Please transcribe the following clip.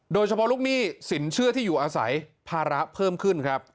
โดยเฉพาะลุกหนี้สินเชื่อที่อยู่อาศัยภาระเพิ่มขึ้น